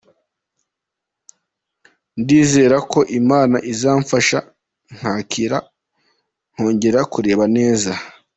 Ndizera ko Imana izamfasha nkakira nkongera kureba neza”.